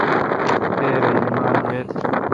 پپرہ ایمال ویت۔